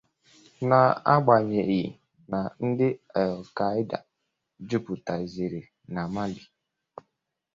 na-agbanyeghị na ndị Al-kaida juputeziri na Mali.